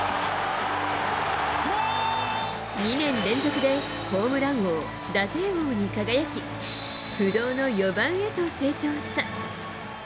２年連続でホームラン王、打点王に輝き不動の４番へと成長した。